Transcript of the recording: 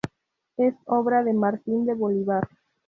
Es obra de Martín de Bolívar.